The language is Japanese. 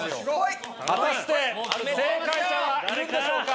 果たして正解者はいるんでしょうか。